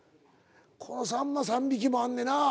さんま３匹もあんねんなぁ。